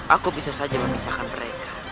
aku bisa saja memisahkan mereka